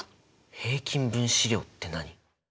平均分子量って何？